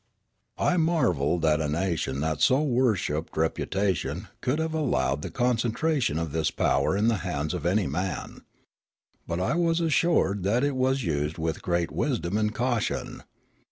I marvelled that a nation that so worshipped reputa tion could have allowed the concentration of this power in the hands of any man. But I was assured that it was used with great wisdom and caution.